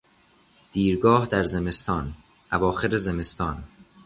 دیرگاه در زمستان، اواخر زمستان